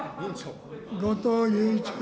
後藤祐一君。